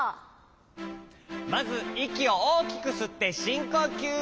まずいきをおおきくすってしんこきゅう。